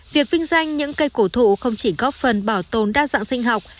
việc vinh danh những cây cổ thụ không chỉ góp phần bảo tồn đa dạng sinh học